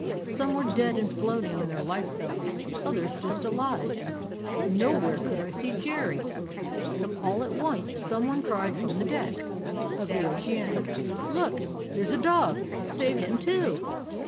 Some were dead and floating in their life belts; others just alive. Nowhere could I see Jerry. "All at once some one cried from the deck 232 A CALIFORNIA SEA DOG of the Oceanic . 'Look! There 's a dog; save him, too.